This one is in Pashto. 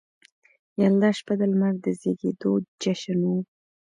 د یلدا شپه د لمر د زیږیدو جشن و